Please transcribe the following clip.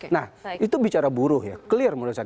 nah itu bicara buruh ya clear menurut saya